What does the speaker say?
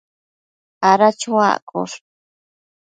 ada chuaccosh